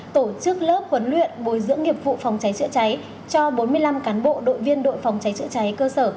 tổ chức lớp huấn luyện bồi dưỡng nghiệp vụ phòng cháy chữa cháy cho bốn mươi năm cán bộ đội viên đội phòng cháy chữa cháy cơ sở